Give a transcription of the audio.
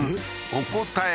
お答え